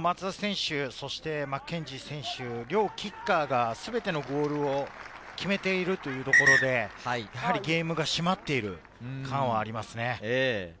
松田選手、そしてマッケンジー選手、両キッカーがすべてのボールを決めているというところで、ゲームが締まっている感はありますね。